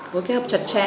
phối kết hợp chặt chẽ